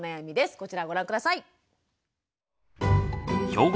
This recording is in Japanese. こちらをご覧下さい。